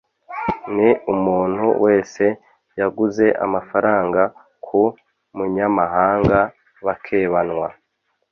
n umuntu wese yaguze amafaranga ku munyamahanga bakebanwa